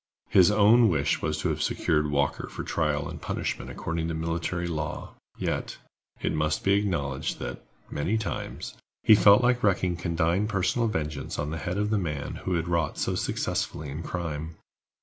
His own wish was to have secured Walker for trial and punishment according to military law; yet, it must be acknowledged that, many times, he felt like wreaking condign personal vengeance on the head of the man who had wrought so successfully in crime.